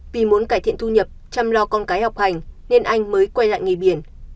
vì muốn cải thiện thu nhập chăm lo con cái học hành nên anh mới quay lại nghề biển